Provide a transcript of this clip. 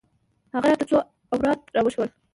هغه راته څو اوراد راوښوول.